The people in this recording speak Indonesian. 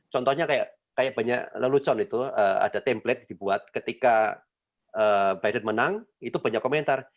contohnya kayak banyak lelucon itu ada template dibuat ketika biden menang itu banyak komentar